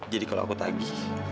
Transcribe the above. jadi kalau aku tagi